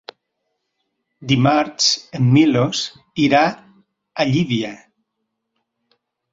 Dimarts en Milos irà a Llívia.